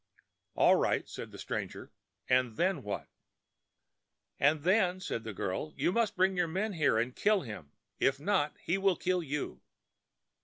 "All right," said the stranger. "And then what?" "And then," said the girl, "you must bring your men here and kill him. If not, he will kill you."